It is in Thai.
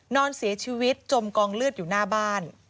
นอนเสียชีวิตจมกองเลือดอยู่หน้าบ้าน